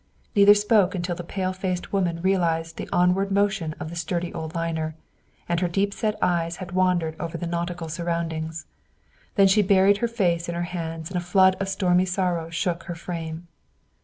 Neither spoke until the pale faced woman realized the onward motion of the sturdy old liner, and her deep set eyes had wandered over the nautical surroundings. Then she buried her face in her hands and a flood of stormy sorrow shook her frame.